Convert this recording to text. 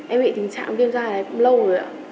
em bị tình trạng viêm da này lâu rồi